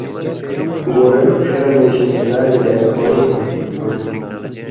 گوریلو ڇھیرہ مژ ملا گلے پویں ہِن ہُم